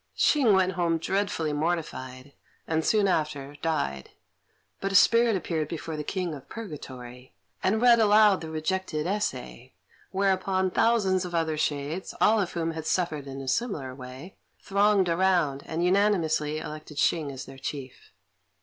Hsing went home dreadfully mortified, and soon after died; but his spirit appeared before the King of Purgatory, and read aloud the rejected essay, whereupon thousands of other shades, all of whom had suffered in a similar way, thronged around, and unanimously elected Hsing as their chief.